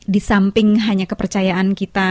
di samping hanya kepercayaan kita